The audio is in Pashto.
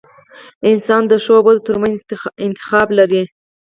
• انسان د ښو او بدو ترمنځ انتخاب لري.